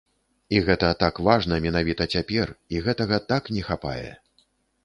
І гэта так важна менавіта цяпер, і гэтага так не хапае.